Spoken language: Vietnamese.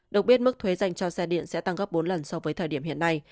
được biết mức thuế dành cho xe điện sẽ tăng gấp bốn lần so với thời điểm hiện nay